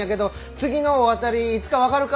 次のお渡りいつか分かるか。